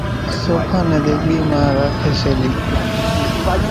سوکان نين ۮيڳري مان راکي سي لئي